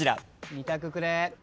２択くれ。